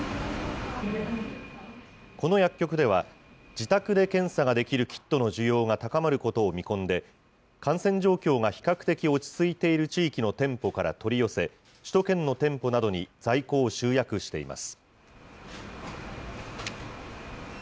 この薬局では、自宅で検査ができるキットの需要が高まることを見込んで、感染状況が比較的落ち着いている地域の店舗から取り寄せ、首都圏の店舗などに在庫を集約しています。